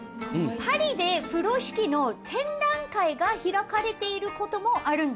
パリで風呂敷の展覧会が開かれていることもあるんです。